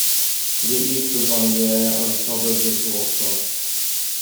To the east of Vanier are the suburbs of Gloucester.